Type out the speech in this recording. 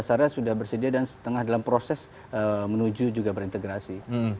dasarnya sudah bersedia dan setengah dalam proses menuju juga berintegrasi